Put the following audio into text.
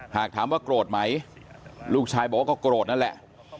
หากถามว่าโกรธไหมลูกชายบอกว่าก็โกรธนั่นแหละ